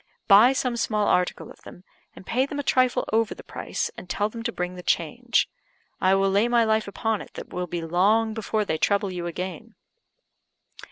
Buy some small article of them, and pay them a trifle over the price, and tell them to bring the change. I will lay my life upon it that it will be long before they trouble you again."